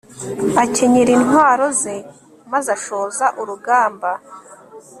akenyera intwaro ze maze ashoza urugamba